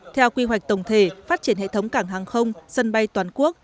theo quy hoạch tổng thể phát triển hệ thống cảng hàng không sân bay toàn quốc